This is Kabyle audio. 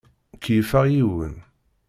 Keyyfeɣ yiwen.